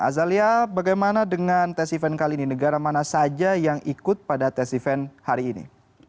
azalia bagaimana dengan tes event kali ini negara mana saja yang ikut pada tes event hari ini